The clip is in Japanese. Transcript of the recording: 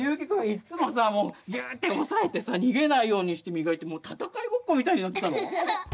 いっつもさギューッて押さえてさ逃げないようにして磨いてもう戦いごっこみたいになってたの。